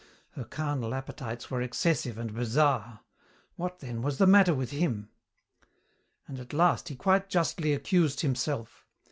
Her carnal appetites were excessive and bizarre. What, then, was the matter with him? And at last he quite justly accused himself.